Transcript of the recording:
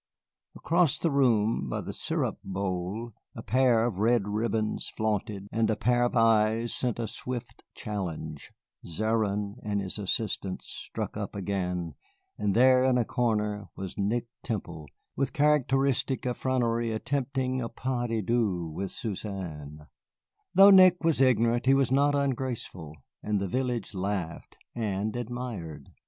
Across the room, by the sirop bowl, a pair of red ribbons flaunted, a pair of eyes sent a swift challenge, Zéron and his assistants struck up again, and there in a corner was Nick Temple, with characteristic effrontery attempting a pas de deux with Suzanne. Though Nick was ignorant, he was not ungraceful, and the village laughed and admired.